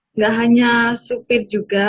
enggak hanya sopir juga